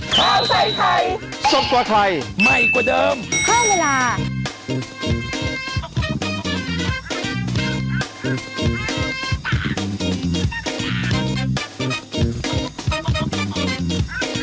โปรดติดตามตอนต่อไป